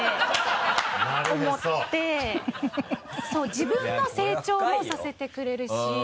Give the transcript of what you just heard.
自分の成長もさせてくれるし。